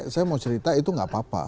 saya mau cerita itu nggak apa apa